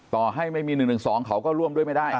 ต่อให้ไม่มี๑๑๒เขาก็ร่วมด้วยไม่ได้